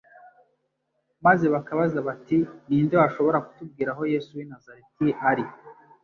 maze bakabaza bati : "Ninde washobora kutubwira aho Yesu w'i Nazareti ari?".